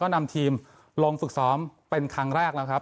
นำทีมลงฝึกซ้อมเป็นครั้งแรกแล้วครับ